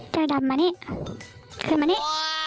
ดำมานี่ขึ้นมานี่